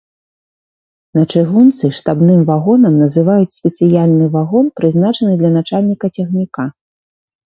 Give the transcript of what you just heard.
На чыгунцы штабным вагонам называюць спецыяльны вагон, прызначаны для начальніка цягніка.